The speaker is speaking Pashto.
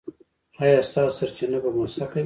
ایا ستاسو سرچینه به موثقه وي؟